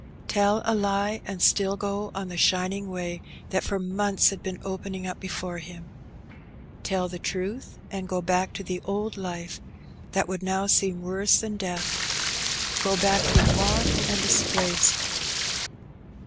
It was a terrible alternative. Tell a lie, and still go on the shining way that for months had been opening up before him; tell the truth, and go back to the old life, that would now seem worse than death — go back to want and disgrace.